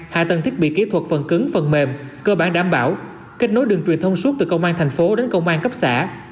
hạ tầng thiết bị kỹ thuật phần cứng phần mềm cơ bản đảm bảo kết nối đường truyền thông suốt từ công an thành phố đến công an cấp xã